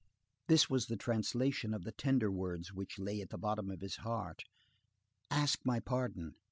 This was the translation of the tender words which lay at the bottom of his heart:— "Ask my pardon!